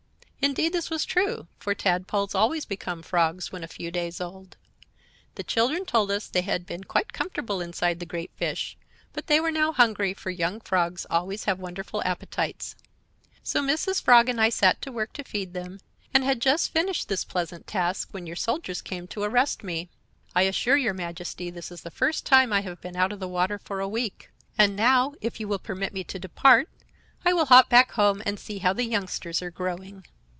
"Indeed, this was true; for tadpoles always become frogs when a few days old. The children told us they had been quite comfortable inside the great fish, but they were now hungry, for young frogs always have wonderful appetites. So Mrs. Frog and I set to work to feed them, and had just finished this pleasant task when your soldiers came to arrest me. I assure your Majesty this is the first time I have been out of the water for a week. And now, if you will permit me to depart, I will hop back home and see how the youngsters are growing."